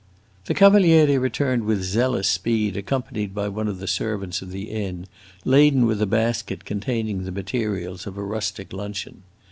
The Cavaliere returned with zealous speed, accompanied by one of the servants of the inn, laden with a basket containing the materials of a rustic luncheon.